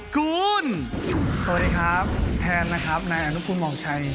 สวัสดีครับแพนนะครับนายอนุคุณมองชัย